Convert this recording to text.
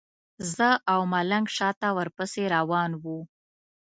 زه او ملنګ شاته ورپسې روان وو.